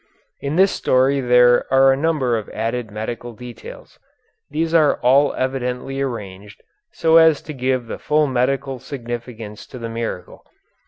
In this story there are a number of added medical details. These are all evidently arranged so as to give the full medical significance to the miracle.